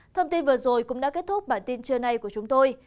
thông tin vừa rồi cũng đã kết thúc bản tin trưa nay của chúng tôi